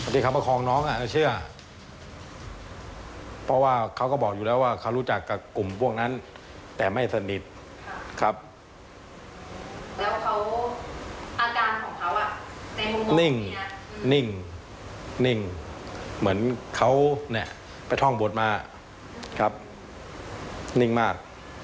นิ่งนิ่งนิ่งเหมือนเขาเนี่ยไปท่องบทมาครับนิ่งมาก